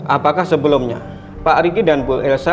apakah sebelumnya pak riki dan bu elsa